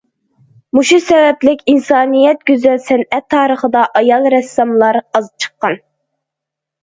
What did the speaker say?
مۇشۇ سەۋەبلىك ئىنسانىيەت گۈزەل سەنئەت تارىخىدا ئايال رەسساملار ئاز چىققان.